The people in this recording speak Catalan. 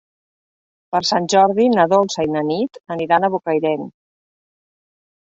Per Sant Jordi na Dolça i na Nit aniran a Bocairent.